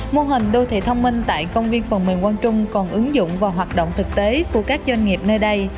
mô hình đô thị thông minh tại công viên phần mềm quang trung còn ứng dụng vào hoạt động thực tế của các doanh nghiệp nơi đây